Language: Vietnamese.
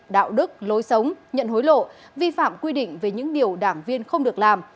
đạo đức lối sống nhận hối lộ vi phạm quy định về những điều đảng viên không được làm